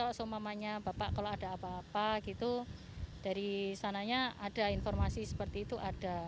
kalau ada apa apa gitu dari sananya ada informasi seperti itu ada